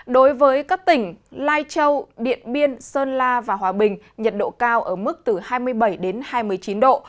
đối với các tỉnh lai châu điện biên sơn la và hòa bình nhiệt độ cao ở mức từ hai mươi bảy hai mươi chín độ